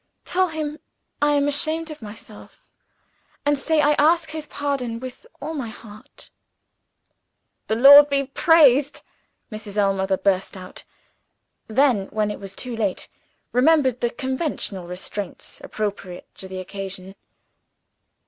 "Tell him I am ashamed of myself! and say I ask his pardon with all my heart!" "The Lord be praised!" Mrs. Ellmother burst out and then, when it was too late, remembered the conventional restraints appropriate to the occasion.